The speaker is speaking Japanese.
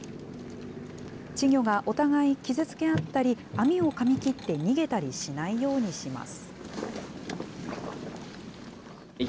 稚魚がお互い傷つけ合ったり、網をかみ切って逃げたりしないようにします。